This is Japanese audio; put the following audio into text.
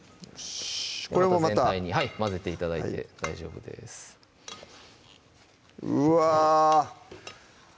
これもまた混ぜて頂いて大丈夫ですうわ